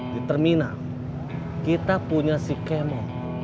di terminal kita punya si kemo